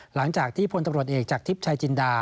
หลังจากที่พลตำรวจเอกจากทิพย์ชายจินดา